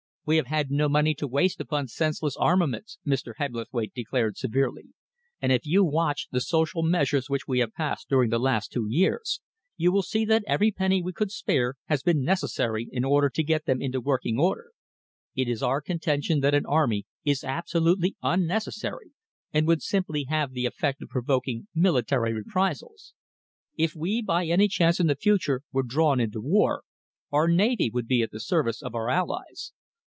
"We have had no money to waste upon senseless armaments," Mr. Hebblethwaite declared severely, "and if you watch the social measures which we have passed during the last two years, you will see that every penny we could spare has been necessary in order to get them into working order. It is our contention that an army is absolutely unnecessary and would simply have the effect of provoking military reprisals. If we, by any chance in the future, were drawn into war, our navy would be at the service of our allies.